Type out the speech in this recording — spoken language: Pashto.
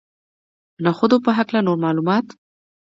د نخودو په هکله نور معلومات.